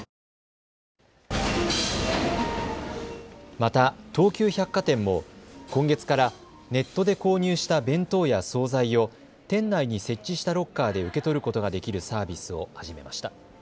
また、東急百貨店も今月から、ネットで購入した弁当や総菜を店内に設置したロッカーで受け取ることができるサービスを始めました。